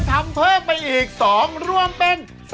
ทำเพิ่งไปอีก๒ร่วมเป็น